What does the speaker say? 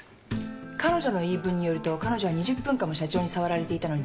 彼女の言い分によると彼女は２０分間も社長に触られていたのにじっとしていたことになる。